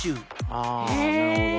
あなるほど。